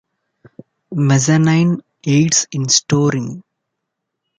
Mezzanine aids in storing.